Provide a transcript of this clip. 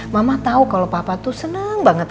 mama tau kalau papa tuh seneng banget